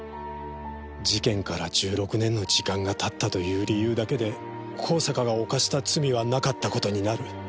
事件から１６年の時間が経ったという理由だけで香坂が犯した罪はなかった事になる。